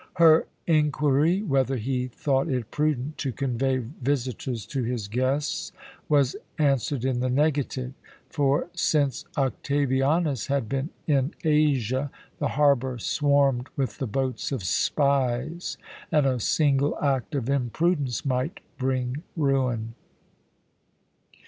Her inquiry whether he thought it prudent to convey visitors to his guests was answered in the negative, for since Octavianus had been in Asia, the harbour swarmed with the boats of spies, and a single act of imprudence might bring ruin.